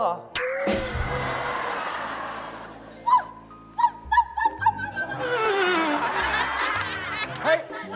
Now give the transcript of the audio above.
เดือน๑๒หรอ